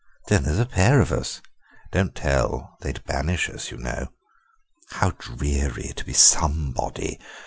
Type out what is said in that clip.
Then there 's a pair of us—don't tell! They 'd banish us, you know. How dreary to be somebody!